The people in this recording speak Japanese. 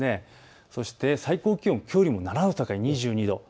そして最高気温きょうよりも７度高い２２度。